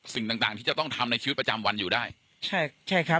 สิ่งต่างต่างที่จะต้องทำในชีวิตประจำวันอยู่ได้ใช่ใช่ครับ